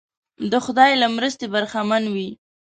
د خدای له مرستې برخمن وي.